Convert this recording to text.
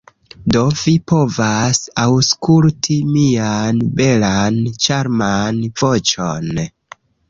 Do vi povas aŭskulti mian belan, ĉarman... voĉon.